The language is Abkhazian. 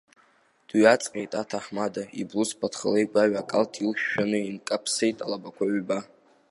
Дҩаҵҟьеит аҭаҳмада, иблуз ԥаҭхалеи-гәаҩа акалҭ илшәшәаны инкаԥсеит алабақәа ҩба.